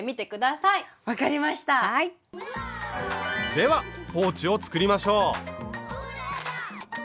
ではポーチを作りましょう！